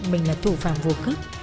mình là thủ phạm vụ cướp